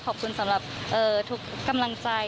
ขอบคุณสำหรับทุกกำลังใจ